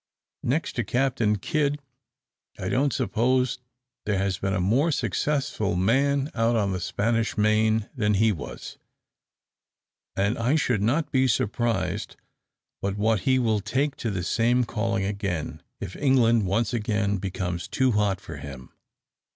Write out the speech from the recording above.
Next to Captain Kyd, I don't suppose there has been a more successful man out on the Spanish Main than he was; and I should not be surprised but what he will take to the same calling again, if England once becomes too hot for him.